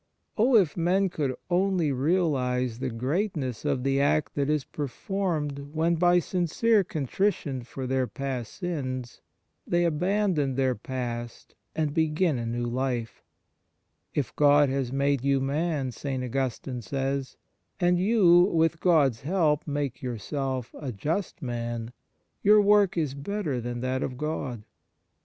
Oh if men could only realize the great ness of the act that is performed when by sincere contrition for their past sins they abandon their past and begin a new life: "If God has made you man," St. Augustine says, " and you, with God s help, make yourself a just man, your work is better than that of God."